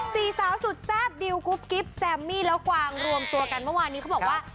สี่สาวสุดแซ่บดิวกุ๊บกิ๊บแซมมี่แล้วกวางรวมตัวกันเมื่อวานนี้เขาบอกว่า